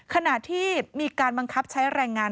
ขณะที่มีการบังคับใช้แรงงาน